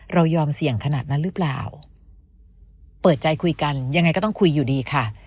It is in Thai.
ยอมเสี่ยงขนาดนั้นหรือเปล่าเปิดใจคุยกันยังไงก็ต้องคุยอยู่ดีค่ะ